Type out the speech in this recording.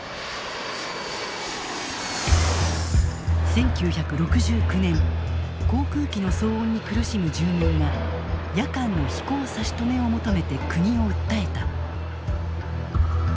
１９６９年航空機の騒音に苦しむ住民が夜間の飛行差し止めを求めて国を訴えた。